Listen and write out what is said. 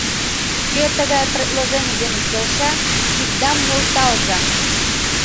Кӧ тыгай предложений дене келша киддам нӧлталза!